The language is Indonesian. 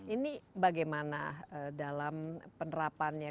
ini bagaimana dalam penerapannya